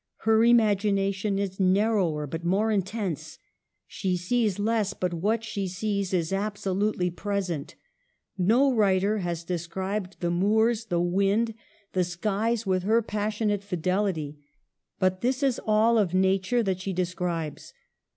Her imagination is narrower, but more intense ; she sees less, but what she sees is absolutely pres ent : no writer has described the moors, the 4 EMILY BRONTE. wind, the skies, with her passionate fidelity, but this is all of Nature that she describes.